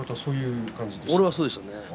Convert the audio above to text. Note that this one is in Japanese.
俺は、そうでした。